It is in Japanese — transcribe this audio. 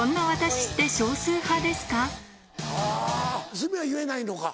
鷲見は言えないのか。